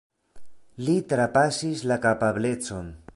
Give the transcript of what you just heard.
Li trapasis la kapablecon.